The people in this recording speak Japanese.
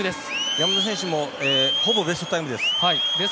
山田選手もほぼベストタイムです。